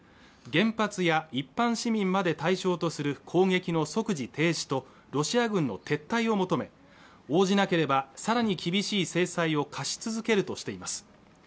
原発や一般市民まで対象とする攻撃の即時停止とロシア軍の撤退を求め応じなければさらに厳しい制裁を科し続けるとしています